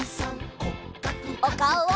おかおを！